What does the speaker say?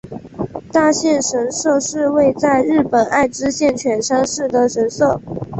大县神社是位在日本爱知县犬山市的神社。